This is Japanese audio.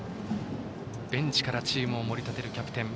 ベンチからチームを盛り立てるキャプテン。